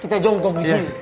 kita jongkong disini